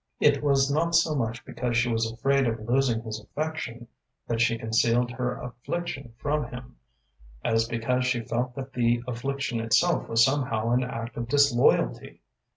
It was not so much because she was afraid of losing his affection that she concealed her affliction from him, as because she felt that the affliction itself was somehow an act of disloyalty.